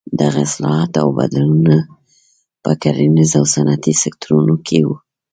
دغه اصلاحات او بدلونونه په کرنیز او صنعتي سکتورونو کې وو.